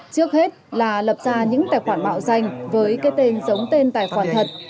trước hết là lập ra những tài khoản mạo danh với cái tên giống tên tài khoản thật